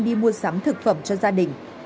đi mua sắm thực phẩm cho gia đình